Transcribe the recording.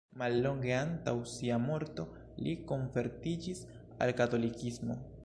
Mallonge antaŭ sia morto li konvertiĝis al katolikismo.